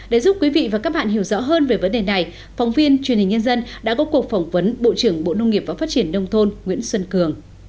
để giúp quý vị và các bạn hiểu rõ hơn về vấn đề này phóng viên truyền hình nhân dân đã có cuộc phỏng vấn bộ trưởng bộ nông nghiệp và phát triển nông thôn nguyễn xuân cường